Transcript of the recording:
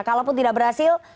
kalau tidak berhasil